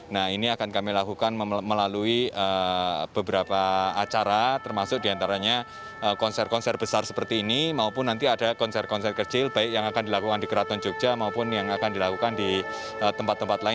nah ini akan kami lakukan melalui beberapa acara termasuk diantaranya konser konser besar seperti ini maupun nanti ada konser konser kecil baik yang akan dilakukan di keraton jogja maupun yang akan dilakukan di tempat tempat lain